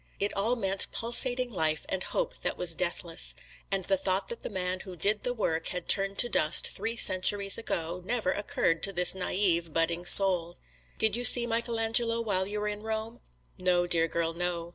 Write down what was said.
It all meant pulsating life and hope that was deathless; and the thought that the man who did the work had turned to dust three centuries ago, never occurred to this naive, budding soul. "Did you see Michelangelo while you were in Rome?" No, dear girl, no.